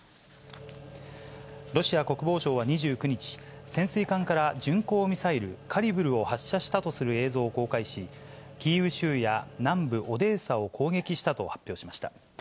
ロシア国防省は２９日、潜水艦から巡航ミサイル、カリブルを発射したとする映像を公開し、キーウ州や南部オデーサを攻撃したと発表しました。